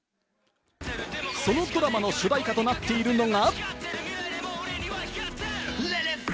そのドラマの主題歌となっているのが。